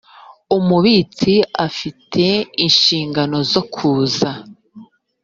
umubitsi afite inshingano zo kuza